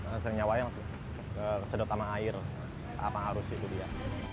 langsung nyawa yang sedot sama air apa harus itu dia